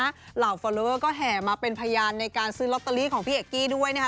เหล่าฟอลเลอร์ก็แห่มาเป็นพยานในการซื้อลอตเตอรี่ของพี่เอกกี้ด้วยนะคะ